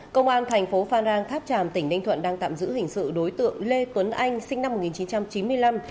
công an thành phố phan rang tháp tràm tỉnh ninh thuận đang tạm giữ hình sự đối tượng lê tuấn anh sinh năm một nghìn chín trăm chín mươi năm